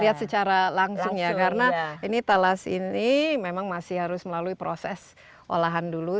lihat secara langsung ya karena ini talas ini memang masih harus melalui proses olahan dulu